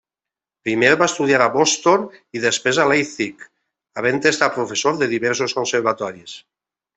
Primer va estudiar a Boston i després a Leipzig, havent estat professor de diversos Conservatoris.